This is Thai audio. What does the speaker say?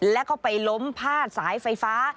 แล้วก็ไปล้มพาดสายไฟฟ้า